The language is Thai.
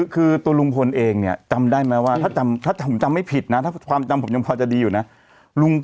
เขาก็พูดเลยว่าแปลกตำรวจอะเขาสงสัยมานานละ